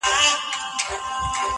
• یوه بل ته په خوږه ژبه ګویان سول -